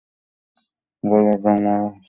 গলার রং মাখন হলদে।